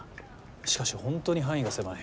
しかし本当に範囲が狭い。